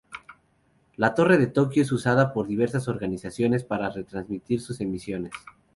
La Torre de Tokio es usada por diversas organizaciones para retransmitir sus emisiones.